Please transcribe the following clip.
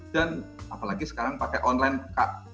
dan apalagi sekarang pakai online cut